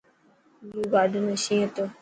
زو گارڊن ۾ شين هتو.